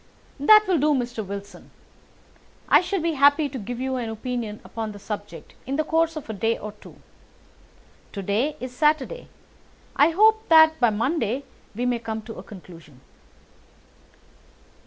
"That will do, Mr. Wilson. I shall be happy to give you an opinion upon the subject in the course of a day or two. To day is Saturday, and I hope that by Monday we may come to a conclusion."